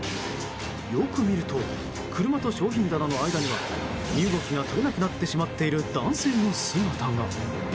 よく見ると車と商品棚の間には身動きが取れなくなってしまっている男性の姿が。